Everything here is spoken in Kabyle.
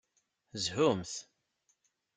Zhumt!